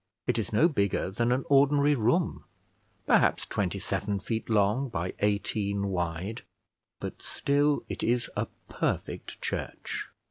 It is no bigger than an ordinary room, perhaps twenty seven feet long by eighteen wide, but still it is a perfect church.